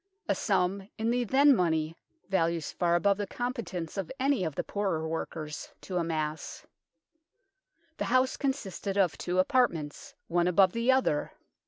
a sum in the then money values far above the competence of any of the poorer workers to amass. The house consisted of two apartments, one above the other.